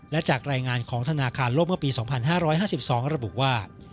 และจากรายงานของธนาคารโลกเมื่อปี๒๕๕๒ระบุว่า